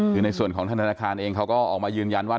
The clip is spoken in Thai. คือในส่วนของธนาคารเองเขาก็ออกมายืนยันว่า